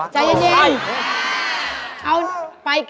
ใจเย็น